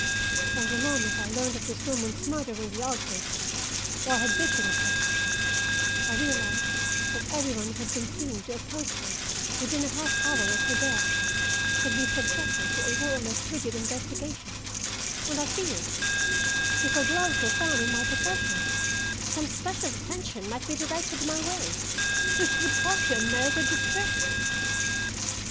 From the moment I learned of this woman's murder in the alcove, where I had visited her, I realized that every one who had been seen to approach her within a half hour of her death would be subjected to a more or less rigid investigation, and I feared, if her gloves were found in my possession, some special attention might be directed my way which would cause you unmerited distress.